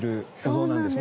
そうなんですね。